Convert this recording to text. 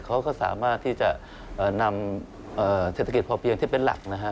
เขาก็สามารถที่จะนำเศรษฐกิจพอเพียงที่เป็นหลักนะฮะ